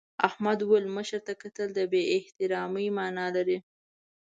احمد وویل مشر ته کتل د بې احترامۍ مانا لري.